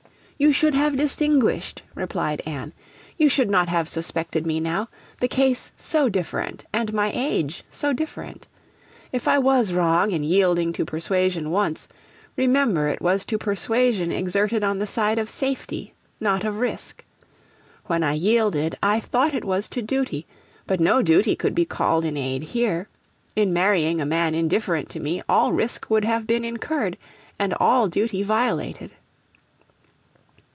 'You should have distinguished,' replied Anne. 'You should not have suspected me now; the case so different, and my age so different. If I was wrong in yielding to persuasion once, remember it was to persuasion exerted on the side of safety, not of risk. When I yielded, I thought it was to duty; but no duty could be called in aid here. In marrying a man indifferent to me, all risk would have been incurred, and all duty violated.'